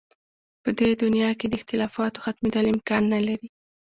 په دې دنیا کې د اختلافاتو ختمېدل امکان نه لري.